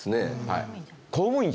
はい。